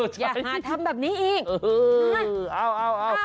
ใช่อย่าหาทำแบบนี้อีกโอ้โฮเอา